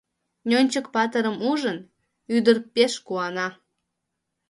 Нӧнчык патырым ужын, ӱдыр пеш куана.